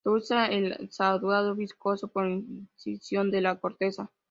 Se usa el exudado viscoso por incisión de la corteza.